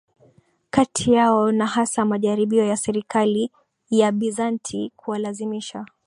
kati yao na hasa majaribio ya serikali ya Bizanti kuwalazimisha